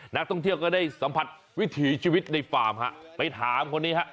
นักท่องเที่ยวก็ได้สัมผัสวิถีชีวิตในฟาร์มฮะไปถามคนนี้ฮะ